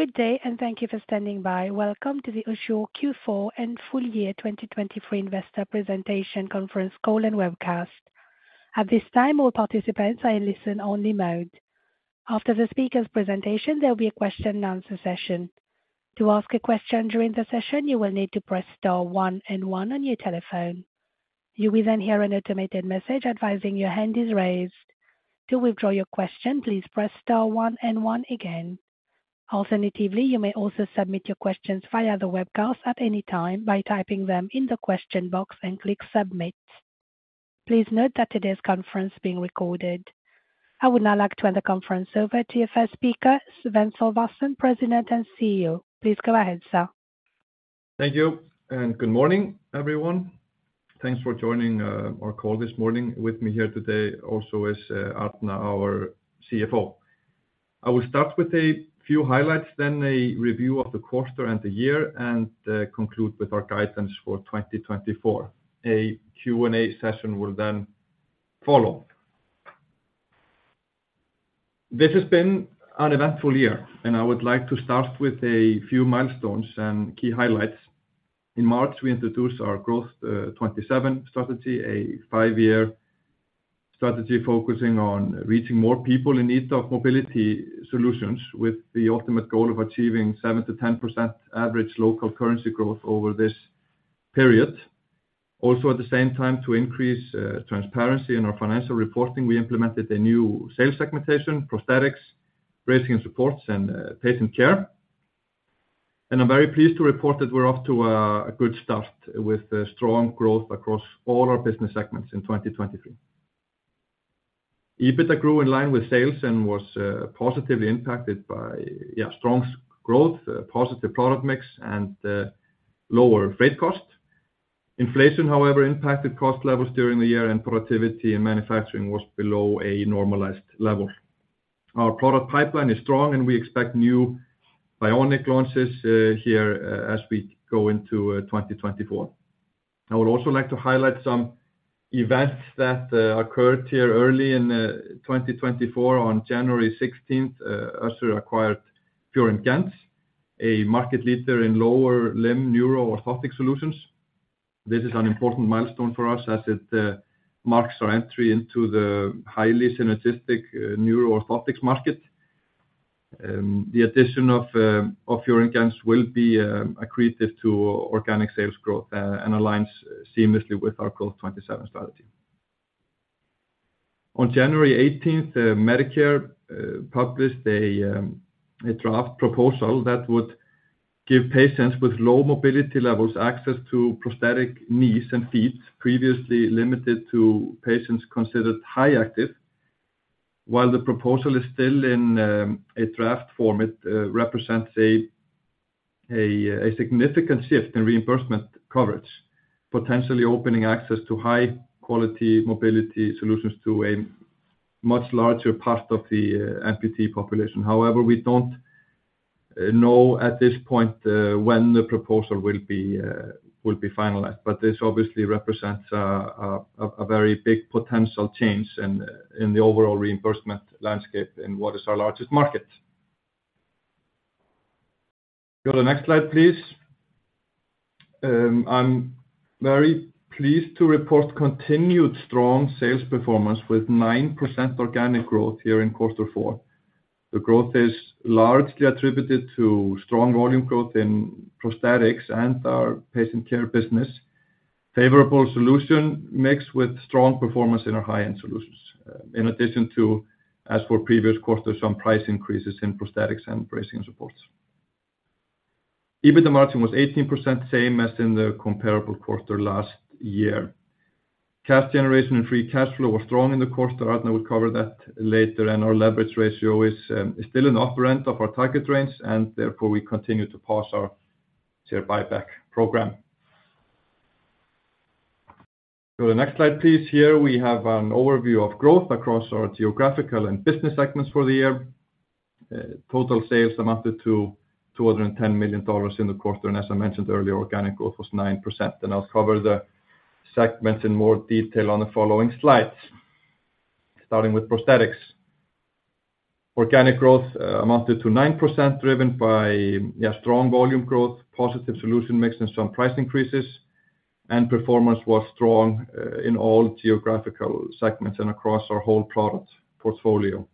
Good day, and thank you for standing by. Welcome to the Össur Q4 and full year 2023 investor presentation conference call and webcast. At this time, all participants are in listen only mode. After the speaker's presentation, there'll be a question and answer session. To ask a question during the session, you will need to press star one and one on your telephone. You will then hear an automated message advising your hand is raised. To withdraw your question, please press star one and one again. Alternatively, you may also submit your questions via the webcast at any time by typing them in the question box and click Submit. Please note that today's conference being recorded. I would now like to hand the conference over to our first speaker, Sveinn Sölvason, President and CEO. Please go ahead, sir. Thank you, and good morning, everyone. Thanks for joining our call this morning. With me here today, also is Arna, our CFO. I will start with a few highlights, then a review of the quarter and the year, and conclude with our guidance for 2024. A Q&A session will then follow. This has been an eventful year, and I would like to start with a few milestones and key highlights. In March, we introduced our Growth'27 strategy, a five-year strategy focusing on reaching more people in need of mobility solutions, with the ultimate goal of achieving 7%-10% average local currency growth over this period. Also, at the same time, to increase transparency in our financial reporting, we implemented a new sales segmentation, prosthetics, bracing and supports, and patient care. I'm very pleased to report that we're off to a good start with strong growth across all our business segments in 2023. EBITDA grew in line with sales and was positively impacted by strong growth, positive product mix, and lower freight cost. Inflation, however, impacted cost levels during the year, and productivity and manufacturing was below a normalized level. Our product pipeline is strong, and we expect new bionic launches as we go into 2024. I would also like to highlight some events that occurred early in 2024. On January 16th, Össur acquired Fior & Gentz, a market leader in lower limb neuro orthotic solutions. This is an important milestone for us as it marks our entry into the highly synergistic neuro orthotics market. The addition of Fior & Gentz will be accretive to organic sales growth and aligns seamlessly with our Growth'27 strategy. On January 18th, Medicare published a draft proposal that would give patients with low mobility levels access to prosthetic knees and feet, previously limited to patients considered high active. While the proposal is still in a draft form, it represents a significant shift in reimbursement coverage, potentially opening access to high quality mobility solutions to a much larger part of the amputee population. However, we don't know at this point when the proposal will be finalized, but this obviously represents a very big potential change in the overall reimbursement landscape in what is our largest market. Go to the next slide, please. I'm very pleased to report continued strong sales performance with 9% organic growth here in quarter four. The growth is largely attributed to strong volume growth in prosthetics and our patient care business. Favorable solution mixed with strong performance in our high-end solutions. In addition to, as for previous quarters, some price increases in prosthetics and bracing and supports. EBITDA margin was 18%, same as in the comparable quarter last year. Cash generation and free cash flow were strong in the quarter. Arna will cover that later, and our leverage ratio is still in the upper end of our target range, and therefore we continue to pause our share buyback program. Go to the next slide, please. Here we have an overview of growth across our geographical and business segments for the year. Total sales amounted to $210 million in the quarter, and as I mentioned earlier, organic growth was 9%, and I'll cover the segments in more detail on the following slides. Starting with Prosthetics. Organic growth amounted to 9%, driven by strong volume growth, positive solution mix and some price increases, and performance was strong in all geographical segments and across our whole product portfolio.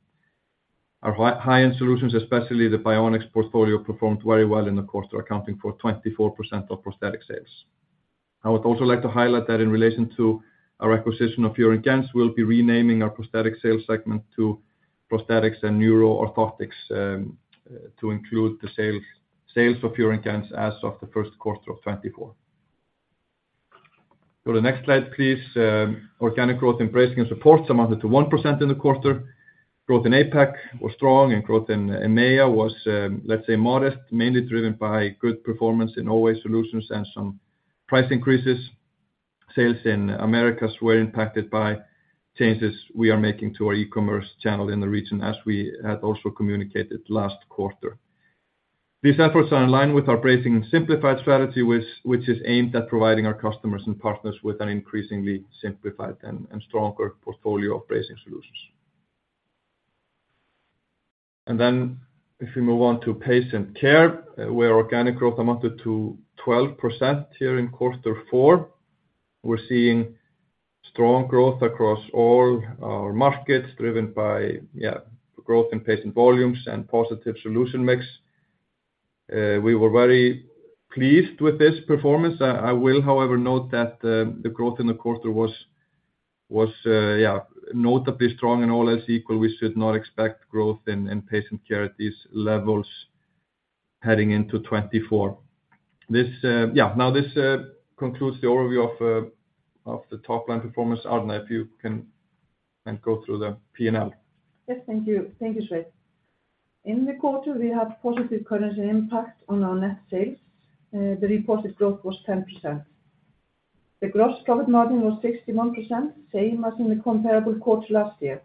Our high-end solutions, especially the bionics portfolio, performed very well in the quarter, accounting for 24% of prosthetic sales. I would also like to highlight that in relation to our acquisition of Fior & Gentz, we'll be renaming our Prosthetic sales segment to Prosthetics & Neuro Orthotics to include the sales of Fior & Gentz as of the first quarter of 2024. Go to the next slide, please. Organic growth in bracing and supports amounted to 1% in the quarter. Growth in APAC was strong, and growth in EMEA was, let's say, modest, mainly driven by good performance in AFO solutions and some price increases. Sales in Americas were impacted by changes we are making to our e-commerce channel in the region, as we had also communicated last quarter. These efforts are in line with our Bracing and Supports Simplified strategy, which is aimed at providing our customers and partners with an increasingly simplified and stronger portfolio of bracing solutions. Then if we move on to patient care, where organic growth amounted to 12% here in quarter four, we're seeing strong growth across all our markets, driven by growth in patient volumes and positive solution mix. We were very pleased with this performance. I will, however, note that the growth in the quarter was, yeah, notably strong and all else equal. We should not expect growth in Patient Care at these levels heading into 2024. This, yeah. Now, this concludes the overview of the top line performance. Arna, if you can then go through the P&L. Yes, thank you. Thank you, Sveinn. In the quarter, we had positive currency impact on our net sales. The reported growth was 10%. The gross profit margin was 61%, same as in the comparable quarter last year.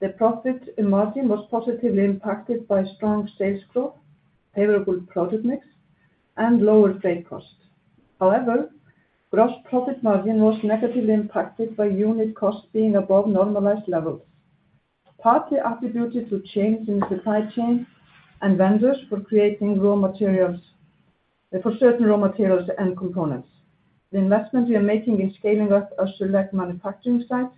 The profit margin was positively impacted by strong sales growth, favorable product mix, and lower freight costs. However, gross profit margin was negatively impacted by unit costs being above normalized levels, partly attributed to changes in supply chain and vendors for creating raw materials—for certain raw materials and components. The investment we are making in scaling up our select manufacturing sites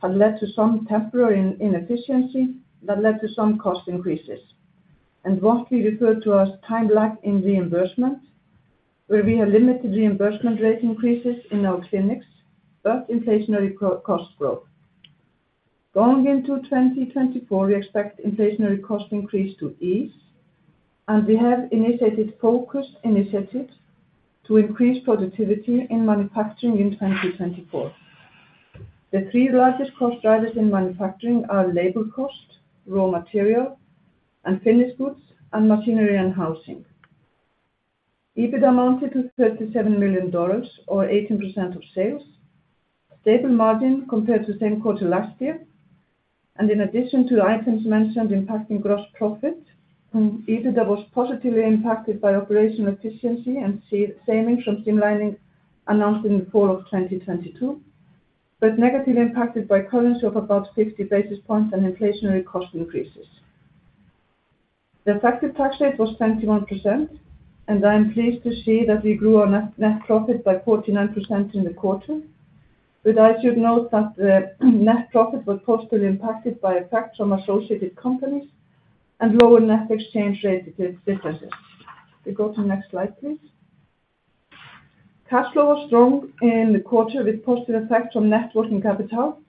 have led to some temporary inefficiency that led to some cost increases, and what we refer to as time lag in reimbursement, where we have limited reimbursement rate increases in our clinics, but inflationary cost growth. Going into 2024, we expect inflationary cost increase to ease, and we have initiated focused initiatives to increase productivity in manufacturing in 2024. The three largest cost drivers in manufacturing are labor cost, raw material, and finished goods, and machinery and housing. EBITDA amounted to $37 million, or 18% of sales. Stable margin compared to same quarter last year, and in addition to the items mentioned impacting gross profit, EBITDA was positively impacted by operational efficiency and savings from streamlining announced in the fall of 2022, but negatively impacted by currency of about 60 basis points and inflationary cost increases. The effective tax rate was 21%, and I am pleased to see that we grew our net profit by 49% in the quarter. But I should note that the net profit was positively impacted by effects from associated companies and lower net exchange rate differences. We go to the next slide, please. Cash flow was strong in the quarter with positive effects on net working capital.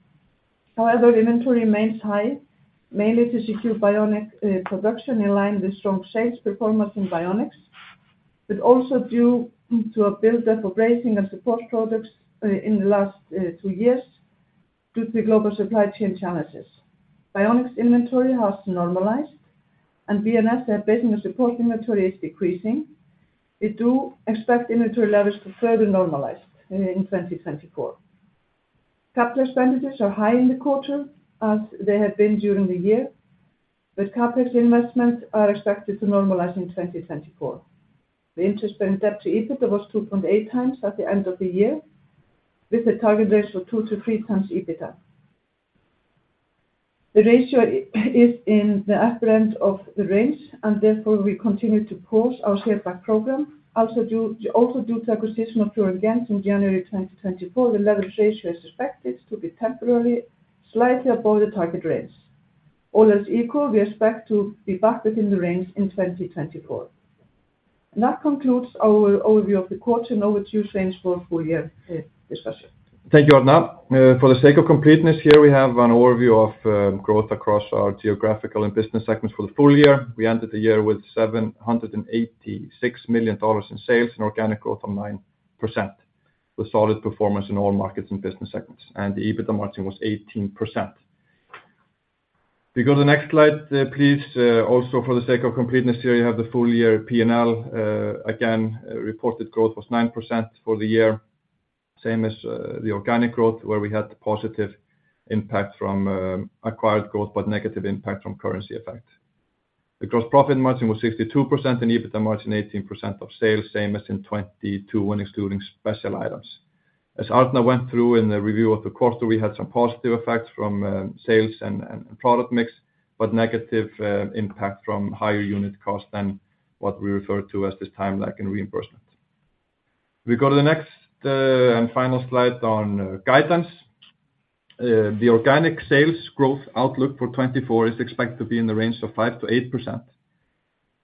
However, inventory remains high, mainly to secure bionic production in line with strong sales performance in Bionics, but also due to a build-up for bracing and support products in the last two years due to global supply chain challenges. Bionics inventory has normalized, and BNS, their bracing and support inventory is decreasing. We do expect inventory levels to further normalize in 2024. Capital expenditures are high in the quarter, as they have been during the year, but CapEx investments are expected to normalize in 2024. The interest and debt to EBITDA was 2.8x at the end of the year, with a target ratio of 2x-3x EBITDA. The ratio is in the upper end of the range, and therefore, we continue to pause our share buyback program. Also due to acquisition of Fior & Gentz in January 2024, the leverage ratio is expected to be temporarily slightly above the target range. All else equal, we expect to be back within the range in 2024. That concludes our overview of the quarter and over to you, Sveinn, for a full year discussion. Thank you, Arna. For the sake of completeness, here we have an overview of growth across our geographical and business segments for the full year. We ended the year with $786 million in sales and organic growth of 9%, with solid performance in all markets and business segments, and the EBITDA margin was 18%. We go to the next slide, please. Also, for the sake of completeness, here you have the full year P&L. Again, reported growth was 9% for the year, same as the organic growth, where we had the positive impact from acquired growth, but negative impact from currency effect. The gross profit margin was 62%, and EBITDA margin, 18% of sales, same as in 2022 when excluding special items. As Arna went through in the review of the quarter, we had some positive effects from sales and product mix, but negative impact from higher unit cost than what we refer to as this time lag in reimbursement. We go to the next and final slide on guidance. The organic sales growth outlook for 2024 is expected to be in the range of 5%-8%.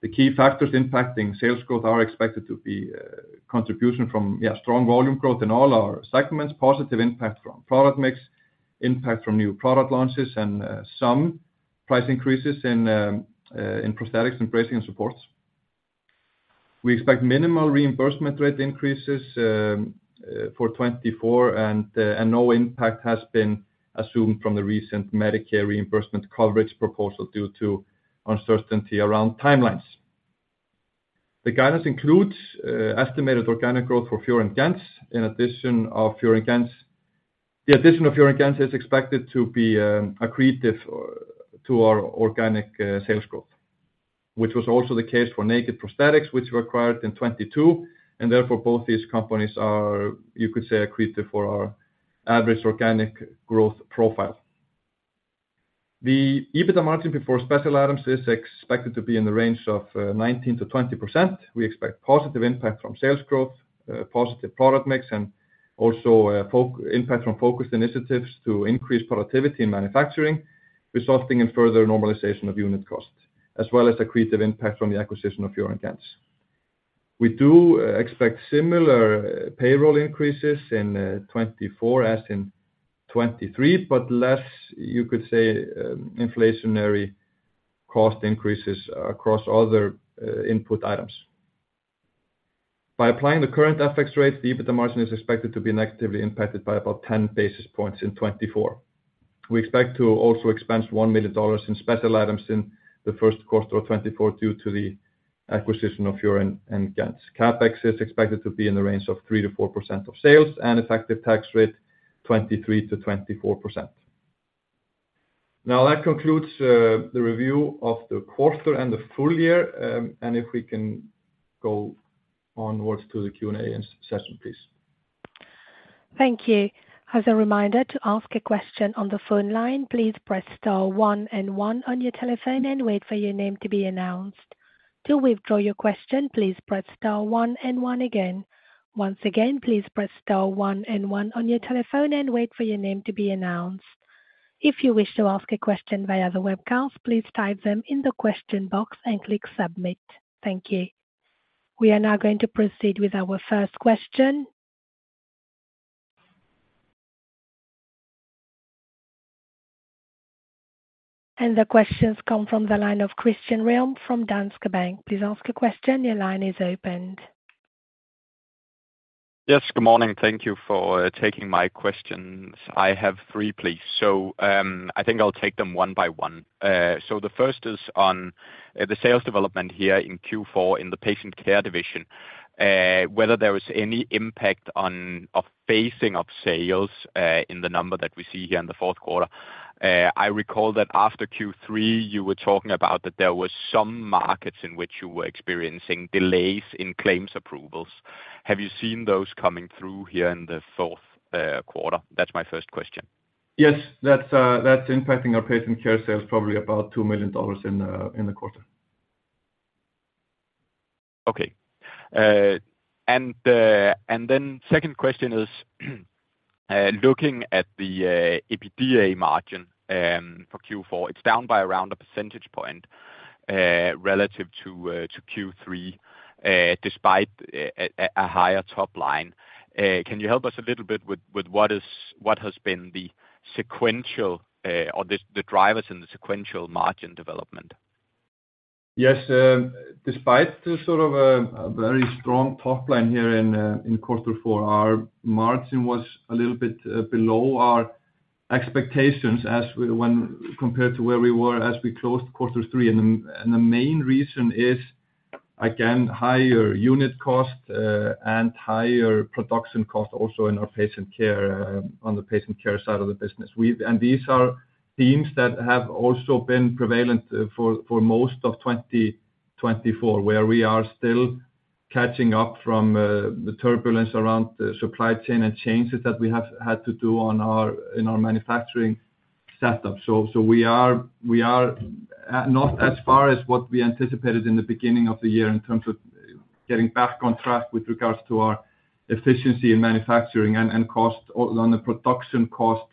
The key factors impacting sales growth are expected to be contribution from strong volume growth in all our segments, positive impact from product mix, impact from new product launches, and some price increases in prosthetics and bracing and supports. We expect minimal reimbursement rate increases for 2024, and no impact has been assumed from the recent Medicare reimbursement coverage proposal due to uncertainty around timelines. The guidance includes estimated organic growth for Fior & Gentz. In addition of Fior & Gentz, the addition of Fior & Gentz is expected to be accretive to our organic sales growth, which was also the case for Naked Prosthetics, which were acquired in 2022, and therefore both these companies are, you could say, accretive for our average organic growth profile. The EBITDA margin before special items is expected to be in the range of 19%-20%. We expect positive impact from sales growth, positive product mix, and also, impact from focused initiatives to increase productivity in manufacturing, resulting in further normalization of unit costs, as well as accretive impact from the acquisition of Fior & Gentz. We do expect similar payroll increases in 2024 as in 2023, but less, you could say, inflationary cost increases across other input items. By applying the current FX rate, the EBITDA margin is expected to be negatively impacted by about 10 basis points in 2024. We expect to also expense $1 million in special items in the first quarter of 2024 due to the acquisition of Fior & Gentz. CapEx is expected to be in the range of 3%-4% of sales, and effective tax rate, 23%-24%. Now, that concludes the review of the quarter and the full year. If we can go onward to the Q&A session, please. Thank you. As a reminder to ask a question on the phone line, please press star one and one on your telephone and wait for your name to be announced. To withdraw your question, please press star one and one again. Once again, please press star one and one on your telephone and wait for your name to be announced. If you wish to ask a question via the webcast, please type them in the question box and click submit. Thank you. We are now going to proceed with our first question. The questions come from the line of Christian Ryom from Danske Bank. Please ask a question. Your line is open. Yes, good morning. Thank you for taking my questions. I have three, please. So, I think I'll take them one by one. So the first is on, the sales development here in Q4 in the patient care division, whether there is any impact on a phasing of sales, in the number that we see here in the fourth quarter. I recall that after Q3, you were talking about that there were some markets in which you were experiencing delays in claims approvals. Have you seen those coming through here in the fourth quarter? That's my first question. Yes, that's, that's impacting our patient care sales, probably about $2 million in the quarter. Okay. And then second question is, looking at the EBITDA margin for Q4, it's down by around a percentage point relative to Q3 despite a higher top line. Can you help us a little bit with what has been the sequential or the drivers in the sequential margin development? Yes. Despite the sort of a very strong top line here in quarter four, our margin was a little bit below our expectations as when compared to where we were as we closed quarter three. The main reason is, again, higher unit cost and higher production cost also in our Patient Care on the Patient Care side of the business. And these are themes that have also been prevalent for most of 2024, where we are still catching up from the turbulence around the supply chain and changes that we have had to do in our manufacturing setup. We are not as far as what we anticipated in the beginning of the year in terms of getting back on track with regards to our efficiency in manufacturing and cost on the production cost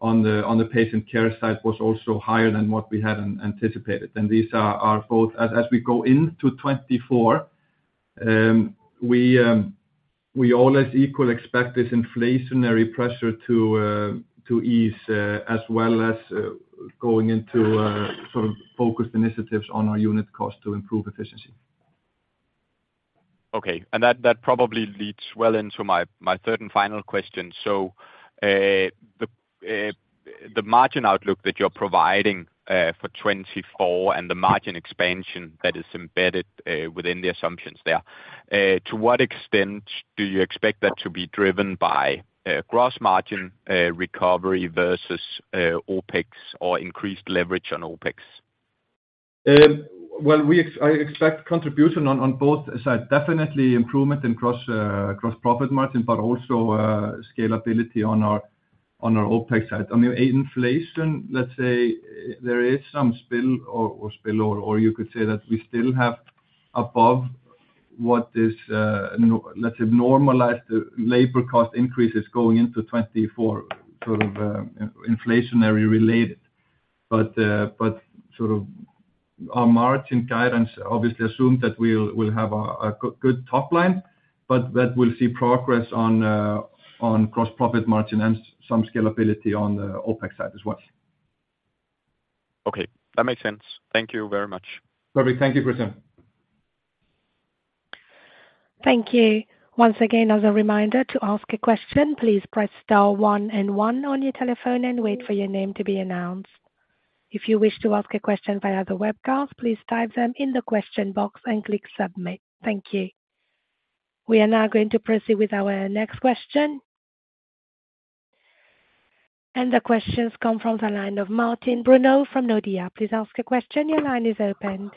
on the patient care side was also higher than what we had anticipated. These are both as we go into 2024, we all equally expect this inflationary pressure to ease, as well as going into sort of focused initiatives on our unit cost to improve efficiency. Okay. And that, that probably leads well into my, my third and final question. So, the margin outlook that you're providing for 2024 and the margin expansion that is embedded within the assumptions there, to what extent do you expect that to be driven by gross margin recovery versus OpEx or increased leverage on OpEx? Well, I expect contribution on both sides. Definitely improvement in gross-profit margin, but also scalability on our OpEx side. I mean, inflation, let's say, there is some spillover, or you could say that we still have above what is normalized labor cost increases going into 2024, sort of, inflationary related. But sort of our margin guidance obviously assume that we'll have a good top line, but that we'll see progress on gross profit margin and some scalability on the OpEx side as well. Okay, that makes sense. Thank you very much. Perfect. Thank you, Christian.... Thank you. Once again, as a reminder, to ask a question, please press star one and one on your telephone and wait for your name to be announced. If you wish to ask a question via the webcast, please type them in the question box and click submit. Thank you. We are now going to proceed with our next question. The question's come from the line of Martin Brenøe from Nordea. Please ask a question. Your line is open.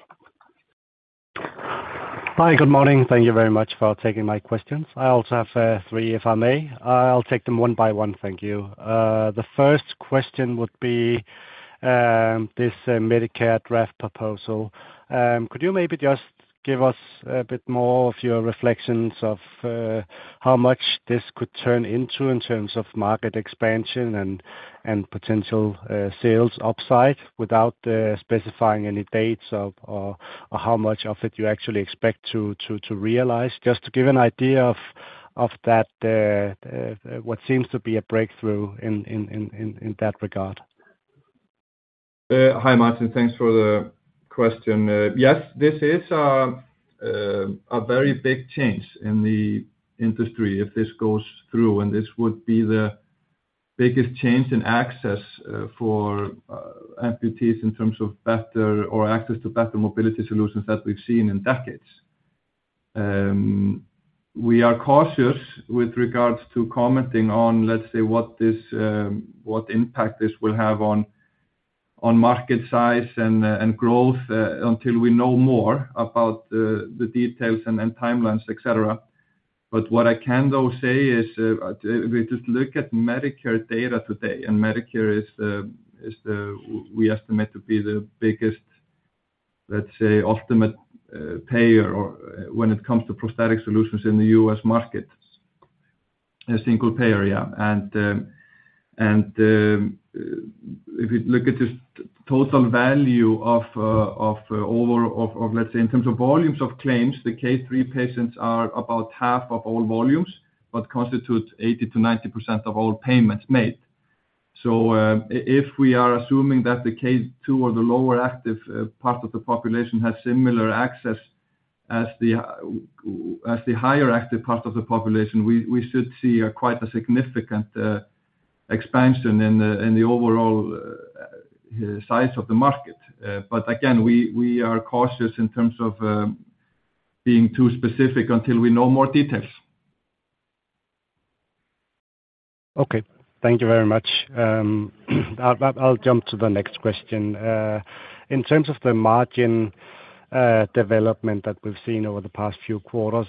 Hi, good morning. Thank you very much for taking my questions. I also have three, if I may. I'll take them one by one, thank you. The first question would be this Medicare draft proposal. Could you maybe just give us a bit more of your reflections of how much this could turn into in terms of market expansion and potential sales upside, without specifying any dates or how much of it you actually expect to realize? Just to give an idea of that, what seems to be a breakthrough in that regard. Hi, Martin. Thanks for the question. Yes, this is a very big change in the industry if this goes through, and this would be the biggest change in access for amputees in terms of better access to better mobility solutions that we've seen in decades. We are cautious with regards to commenting on, let's say, what impact this will have on market size and growth until we know more about the details and timelines, et cetera. But what I can though say is, if we just look at Medicare data today, and Medicare is the, we estimate to be the biggest, let's say, ultimate payer for when it comes to prosthetic solutions in the U.S. market, a single payer. If you look at the total value of, let's say, in terms of volumes of claims, the K3 patients are about half of all volumes, but constitute 80%-90% of all payments made. So, if we are assuming that the K2 or the lower active part of the population has similar access as the higher active part of the population, we should see a quite significant expansion in the overall size of the market. But again, we are cautious in terms of being too specific until we know more details. Okay. Thank you very much. I'll jump to the next question. In terms of the margin development that we've seen over the past few quarters,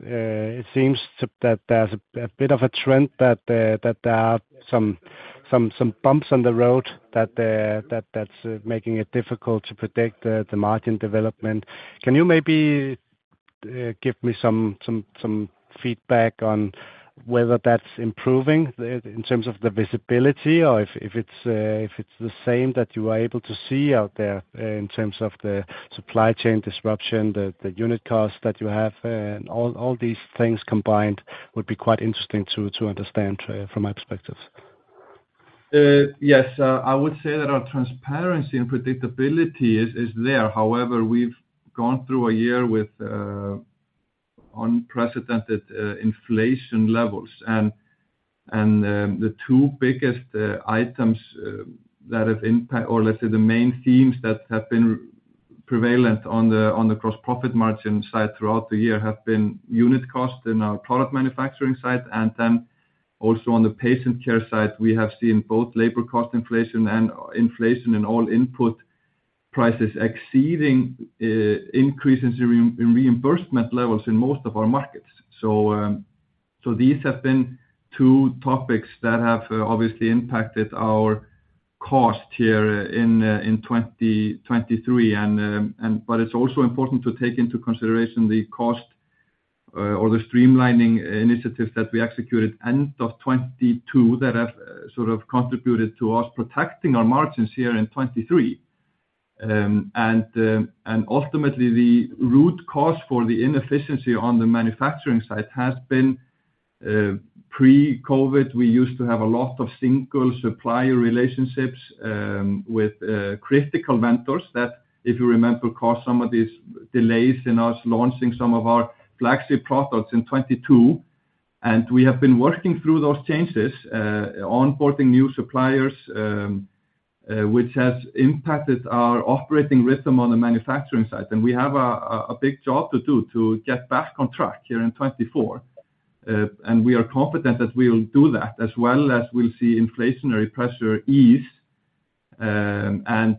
it seems that there's a bit of a trend that there are some bumps on the road that's making it difficult to predict the margin development. Can you maybe give me some feedback on whether that's improving in terms of the visibility, or if it's the same that you are able to see out there in terms of the supply chain disruption, the unit costs that you have, all these things combined would be quite interesting to understand from my perspective? Yes. I would say that our transparency and predictability is there. However, we've gone through a year with unprecedented inflation levels. And the two biggest items that have impact, or let's say, the main themes that have been prevalent on the gross profit margin side throughout the year, have been unit cost in our product manufacturing side, and then also on the Patient Care side, we have seen both labor cost inflation and inflation in all input prices exceeding increases in reimbursement levels in most of our markets. So these have been two topics that have obviously impacted our cost here in 2023. But it's also important to take into consideration the cost or the streamlining initiatives that we executed end of 2022, that have sort of contributed to us protecting our margins here in 2023. And ultimately, the root cause for the inefficiency on the manufacturing side has been pre-COVID, we used to have a lot of single supplier relationships with critical vendors, that if you remember, caused some of these delays in us launching some of our flagship products in 2022. And we have been working through those changes, onboarding new suppliers, which has impacted our operating rhythm on the manufacturing side. And we have a big job to do to get back on track here in 2024. And we are confident that we will do that, as well as we'll see inflationary pressure ease. And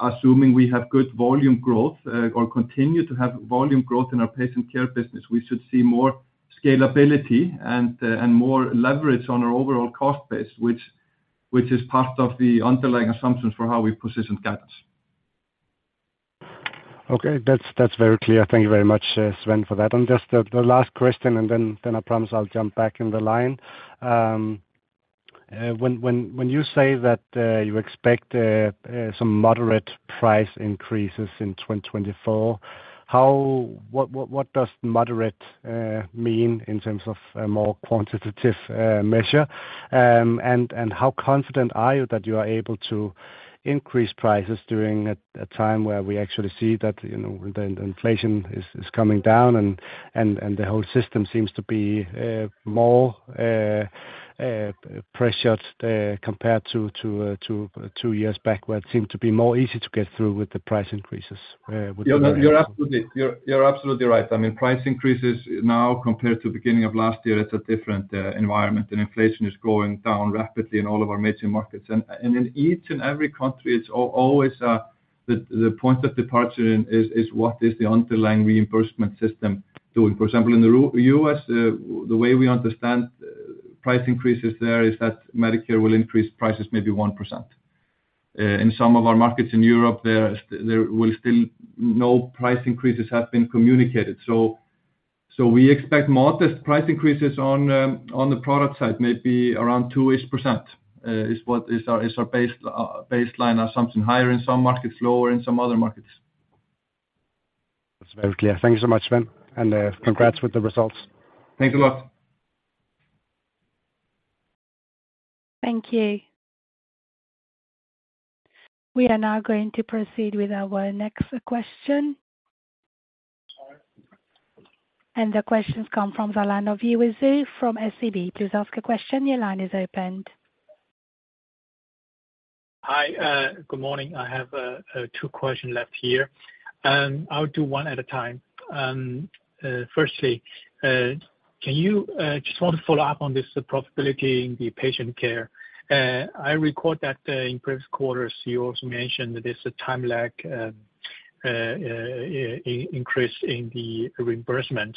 assuming we have good volume growth, or continue to have volume growth in our patient care business, we should see more scalability and more leverage on our overall cost base, which is part of the underlying assumptions for how we position guidance. Okay. That's, that's very clear. Thank you very much, Sveinn, for that. And just the last question, and then I promise I'll jump back in the line. When you say that you expect some moderate price increases in 2024, how... What does moderate mean in terms of a more quantitative measure? And how confident are you that you are able to increase prices during a time where we actually see that, you know, the inflation is coming down and the whole system seems to be more pressured compared to two years back, where it seemed to be more easy to get through with the price increases, with the- You're absolutely right. I mean, price increases now compared to beginning of last year, it's a different environment, and inflation is going down rapidly in all of our major markets. In each and every country, it's always the point of departure is what is the underlying reimbursement system doing? For example, in the U.S., the way we understand price increases there is that Medicare will increase prices maybe 1%. In some of our markets in Europe, there will still no price increases have been communicated. So we expect modest price increases on the product side, maybe around 2%-ish, is what is our baseline assumption. Higher in some markets, lower in some other markets. That's very clear. Thank you so much, Sveinn, and congrats with the results. Thanks a lot. Thank you. We are now going to proceed with our next question. The question comes from the line of SEB. Please ask a question. Your line is opened. Hi, good morning. I have two questions left here, and I'll do one at a time. Firstly, can you just want to follow up on this profitability in the patient care? I recall that in previous quarters, you also mentioned that there's a time lag increase in the reimbursement.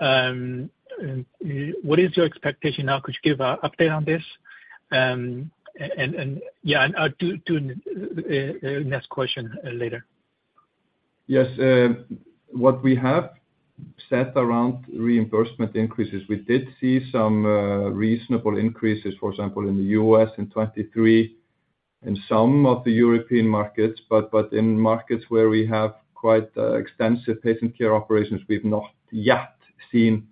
What is your expectation now? Could you give an update on this? And yeah, I'll do next question later. Yes. What we have said around reimbursement increases, we did see some reasonable increases, for example, in the U.S. in 2023, in some of the European markets. But in markets where we have quite extensive patient care operations, we've not yet seen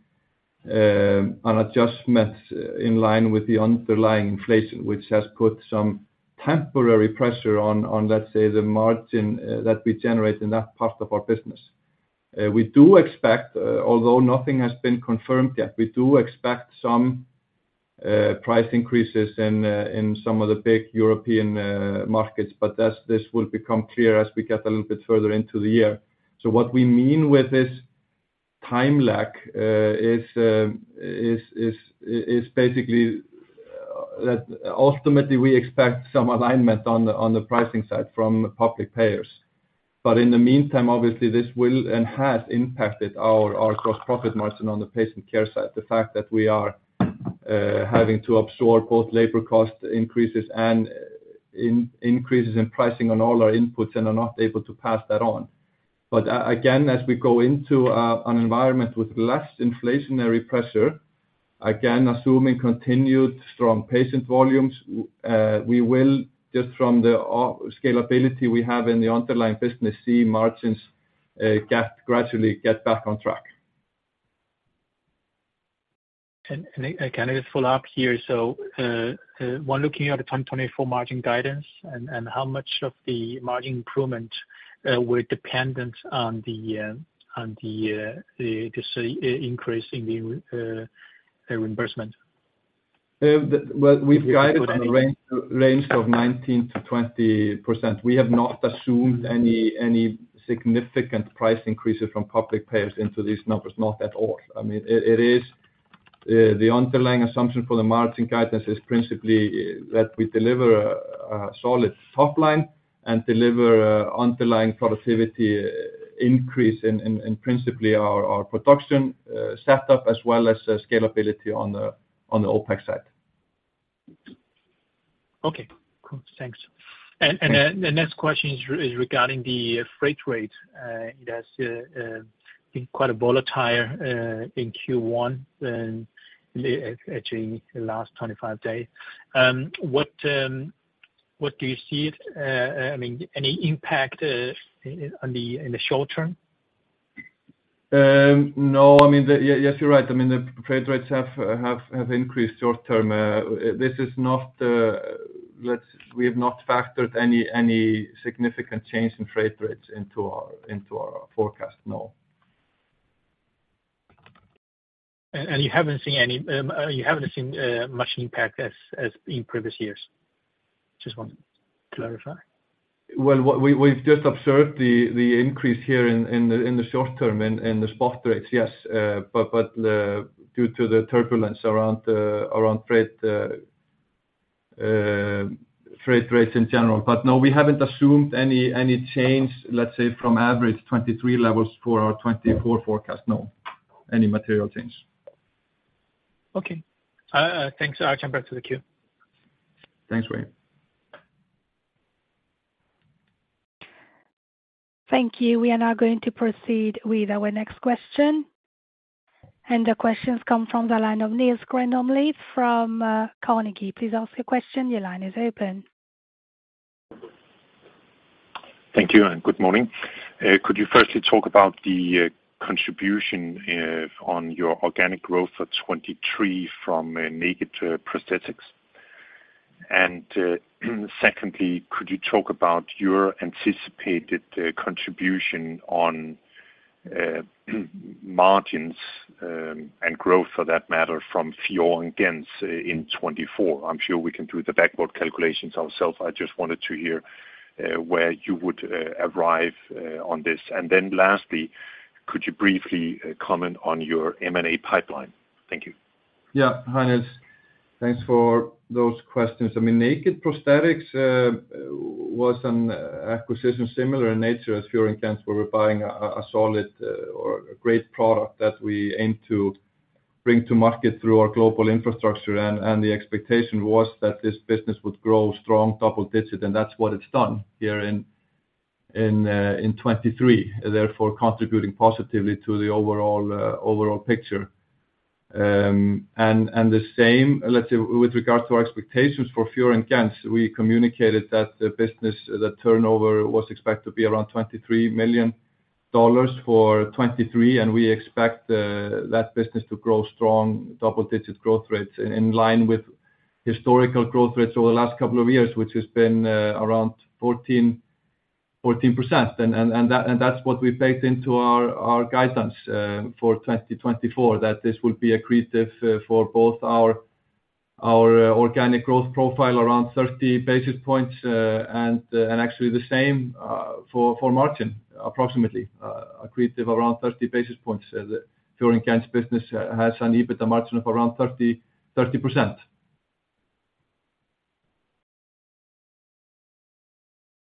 an adjustment in line with the underlying inflation, which has put some temporary pressure on, let's say, the margin that we generate in that part of our business. We do expect, although nothing has been confirmed yet, we do expect some price increases in some of the big European markets, but that's, this will become clear as we get a little bit further into the year. So what we mean with this time lag is basically that ultimately we expect some alignment on the pricing side from public payers. But in the meantime, obviously, this will and has impacted our gross profit margin on the Patient Care side. The fact that we are having to absorb both labor cost increases and increases in pricing on all our inputs and are not able to pass that on. But again, as we go into an environment with less inflationary pressure, again, assuming continued strong patient volumes, we will, just from the scalability we have in the underlying business, see margins get gradually back on track. Can I just follow up here? So, when looking at the 2024 margin guidance and how much of the margin improvement were dependent on the just increase in the reimbursement? Well, we've guided on a range of 19%-20%. We have not assumed any significant price increases from public payers into these numbers, not at all. I mean, it is the underlying assumption for the margin guidance is principally that we deliver a solid top line and deliver a underlying productivity increase in principally our production setup, as well as scalability on the OpEx side. Okay, cool. Thanks. Yeah. Then the next question is regarding the freight rate. It has been quite a volatile in Q1, and actually the last 25 days. What do you see it, I mean, any impact on the in the short term? No, I mean, the... Yes, you're right. I mean, the freight rates have increased short term. This is not. We have not factored any significant change in freight rates into our forecast, no. And you haven't seen much impact as in previous years? Just want to clarify. Well, what we've just observed the increase here in the short term in the spot rates, yes. But due to the turbulence around freight rates in general. But no, we haven't assumed any change, let's say, from average 2023 levels for our 2024 forecast. No, any material change. Okay. Thanks. I'll come back to the queue. Thanks, Ray. Thank you. We are now going to proceed with our next question, and the questions come from the line of Niels Granholm-Leth from Carnegie. Please ask your question. Your line is open.... Thank you, and good morning. Could you firstly talk about the contribution on your organic growth for 2023 from Naked Prosthetics? And secondly, could you talk about your anticipated contribution on margins and growth for that matter from Fior & Gentz in 2024? I'm sure we can do the backward calculations ourselves. I just wanted to hear where you would arrive on this. And then lastly, could you briefly comment on your M&A pipeline? Thank you. Yeah, hi, Niels. Thanks for those questions. I mean, Naked Prosthetics was an acquisition similar in nature as Fior & Gentz, where we're buying a solid or a great product that we aim to bring to market through our global infrastructure. And the expectation was that this business would grow strong, double-digit, and that's what it's done here in 2023, therefore contributing positively to the overall picture. And the same, let's say with regards to our expectations for Fior & Gentz, we communicated that the business, the turnover was expected to be around $23 million for 2023, and we expect that business to grow strong, double-digit growth rates in line with historical growth rates over the last couple of years, which has been around 14%. And that's what we baked into our guidance for 2024, that this will be accretive for both our organic growth profile, around 30 basis points, and actually the same for margin, approximately accretive around 30 basis points. As Fior & Gentz business has an EBITDA margin of around 30%.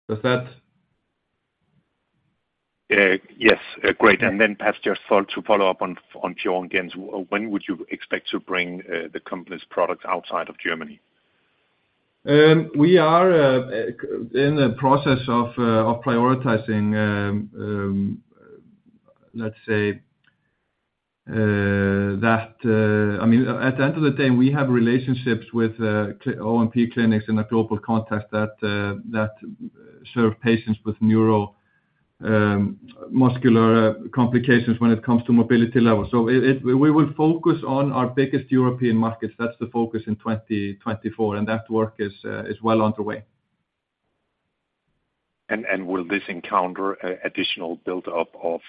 Does that- Yes, great. And then perhaps just thought to follow up on, on Fior & Gentz. When would you expect to bring the company's products outside of Germany? We are in the process of prioritizing. I mean, at the end of the day, we have relationships with O&P clinics in a global context that serve patients with neuromuscular complications when it comes to mobility level. So we will focus on our biggest European markets. That's the focus in 2024, and that work is well underway. Will this encounter an additional build-up of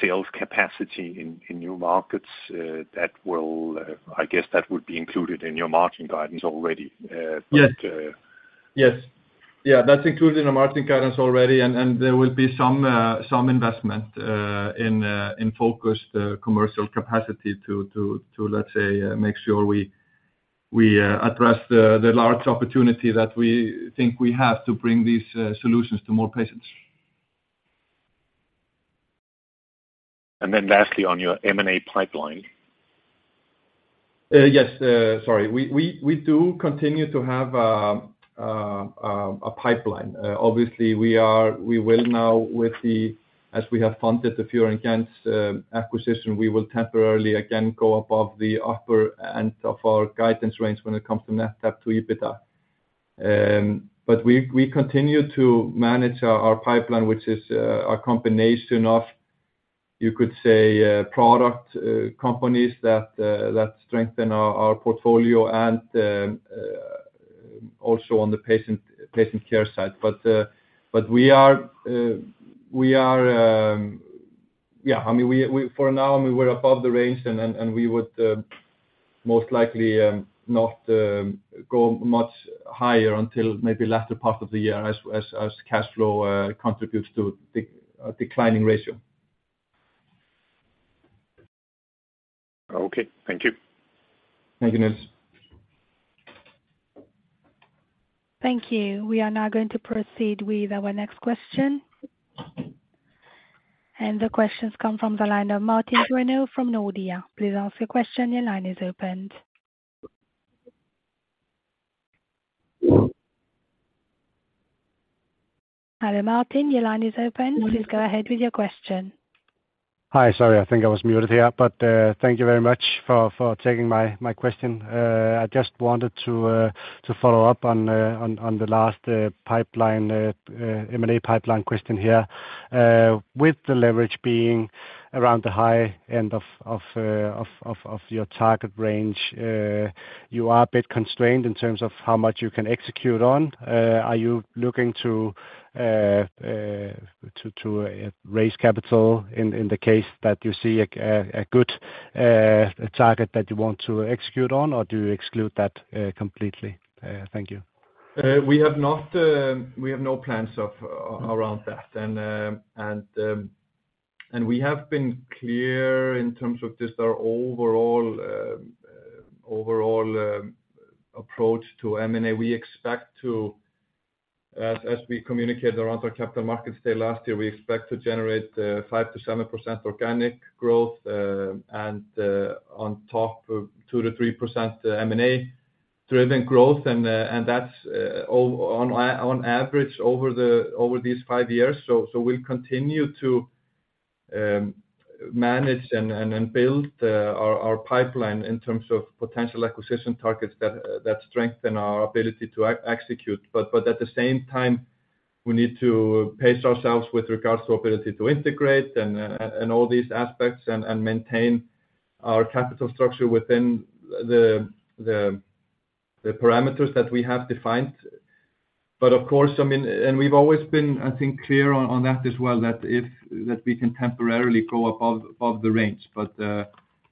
sales capacity in new markets that will, I guess, that would be included in your margin guidance already? Yes... but, Yes. Yeah, that's included in our margin guidance already, and there will be some investment in focus commercial capacity to, let's say, make sure we address the large opportunity that we think we have to bring these solutions to more patients. Lastly, on your M&A pipeline. Yes, sorry. We do continue to have a pipeline. Obviously we will now, as we have funded the Fior & Gentz acquisition, we will temporarily again go above the upper end of our guidance range when it comes to net debt to EBITDA. But we continue to manage our pipeline, which is a combination of, you could say, product companies that strengthen our portfolio and also on the patient care side. But we are, yeah, I mean, for now, we're above the range, and we would most likely not go much higher until maybe latter part of the year as cash flow contributes to declining ratio. Okay, thank you. Thank you, Niels. Thank you. We are now going to proceed with our next question. The questions come from the line of Martin Brenøe from Nordea. Please ask your question. Your line is open. Hello, Martin, your line is open. Please go ahead with your question. Hi. Sorry, I think I was muted here, but thank you very much for taking my question. I just wanted to follow up on the last M&A pipeline question here. With the leverage being around the high end of your target range, you are a bit constrained in terms of how much you can execute on. Are you looking to raise capital in the case that you see a good target that you want to execute on, or do you exclude that completely? Thank you. We have not, we have no plans around that. And we have been clear in terms of just our overall approach to M&A. We expect to, as we communicated around our capital markets day last year, we expect to generate 5%-7% organic growth, and on top of 2%-3% M&A driven growth, and that's on average over these five years. So we'll continue to manage and build our pipeline in terms of potential acquisition targets that strengthen our ability to execute. But, but at the same time, we need to pace ourselves with regards to ability to integrate and, and all these aspects and, and maintain our capital structure within the parameters that we have defined. But of course, I mean. And we've always been, I think, clear on that as well, that we can temporarily go above the range. But,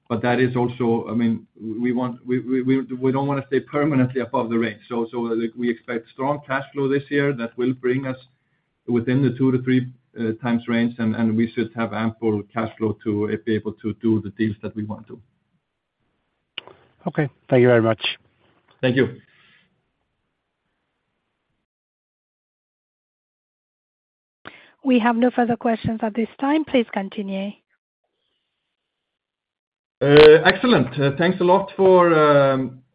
but that is also- I mean, we want- we, we don't wanna stay permanently above the range. So, we expect strong cash flow this year that will bring us within the 2x-3x range, and we should have ample cash flow to be able to do the deals that we want to. Okay. Thank you very much. Thank you. We have no further questions at this time. Please continue. Excellent. Thanks a lot for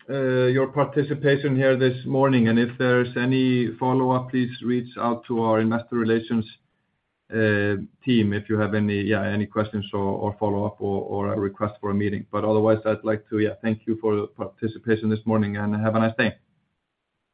your participation here this morning, and if there's any follow-up, please reach out to our investor relations team if you have any questions or follow-up or a request for a meeting. But otherwise, I'd like to thank you for your participation this morning, and have a nice day.